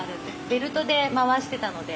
ベルトで回してたので。